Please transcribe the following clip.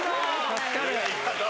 助かる。